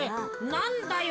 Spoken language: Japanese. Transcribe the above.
なんだよ。